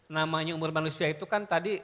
namanya umur manusia itu kan tadi